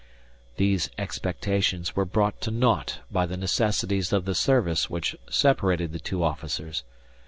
These expectations were brought to naught by the necessities of the service which separated the two officers.